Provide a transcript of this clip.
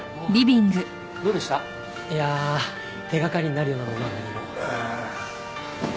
手掛かりになるようなものは何も。